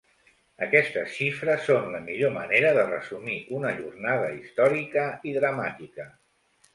Aquestes xifres són la millor manera de resumir una jornada històrica i dramàtica.